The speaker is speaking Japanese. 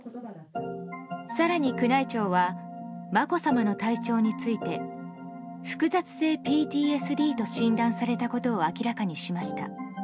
更に宮内庁はまこさまの体調について複雑性ＰＴＳＤと診断されたことを明らかにしました。